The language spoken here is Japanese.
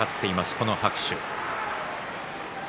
この拍手。